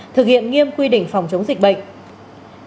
thực hiện nghiêm quy định phòng chống dịch bệnh